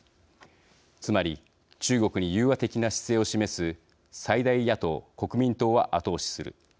つまり、中国に融和的な姿勢を示す最大野党・国民党は後押しする。